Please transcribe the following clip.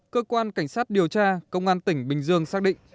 cơ quan cảnh sát điều tra công an tỉnh bình dương xác định